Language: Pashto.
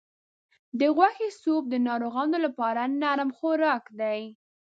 د غوښې سوپ د ناروغانو لپاره نرم خوراک دی.